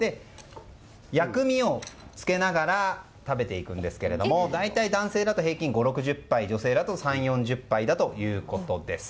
薬味をつけながら食べていくんですけれども大体男性だと平均５０６０杯女性だと３０４０杯だということです。